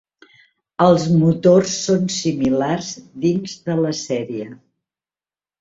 Els motors són similars dins de la sèrie.